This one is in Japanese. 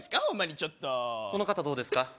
ホンマにちょっとこの方どうですか？